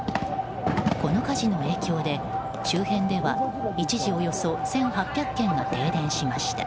この火事の影響で周辺では一時およそ１８００軒が停電しました。